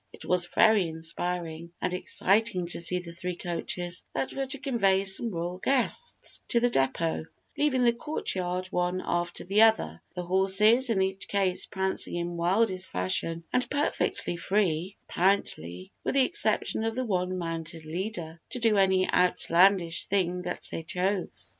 It was very inspiring and exciting to see the three coaches, that were to convey some royal guests to the depot, leave the courtyard one after the other, the horses in each case prancing in wildest fashion and perfectly free, apparently, with the exception of the one mounted leader, to do any outlandish thing that they chose.